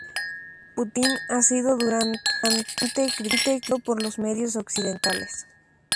Putin ha sido duramente criticado por los medios occidentales.